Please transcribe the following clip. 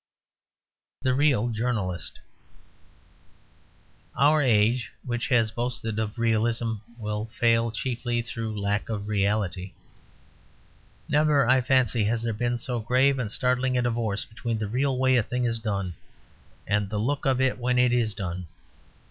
THE REAL JOURNALIST Our age which has boasted of realism will fail chiefly through lack of reality. Never, I fancy, has there been so grave and startling a divorce between the real way a thing is done and the look of it when it is done.